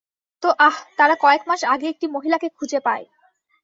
তো, আহ, তারা কয়েকমাস আগে একটি মহিলাকে খোঁজে পায়।